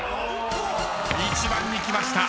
１番に来ました。